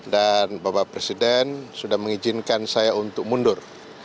dan bapak presiden sudah mengizinkan saya untuk mundur